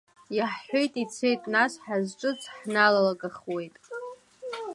Иаҳҳәеит ицеит, нас ҳазҿыц ҳналагахуеит…